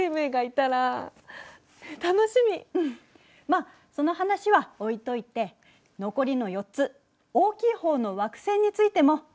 まあその話は置いといて残りの４つ大きい方の惑星についても見てみましょう。